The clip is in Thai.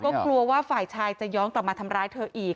ก็กลัวว่าฝ่ายชายจะย้อนกลับมาทำร้ายเธออีก